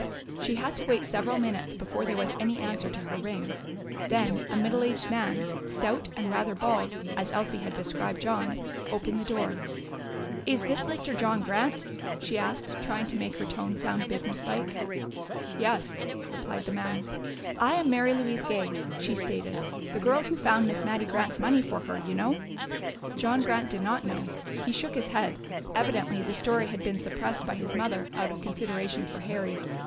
She had to wait several minutes before there was any answer to her ring. Then a middle aged man, stout and rather bald, as Elsie had described John, opened the door. "Is this Mr. John Grant?" she asked, trying to make her tone sound business like. "Yes," replied the man. "I am Mary Louise Gay," she stated. "The girl who found Miss Mattie Grant's money for her, you know." John Grant did not know; he shook his head. Evidently the story had been suppressed by his mother out of consideration for Harry.